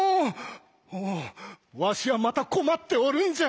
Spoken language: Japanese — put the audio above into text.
おおわしはまた困っておるんじゃ。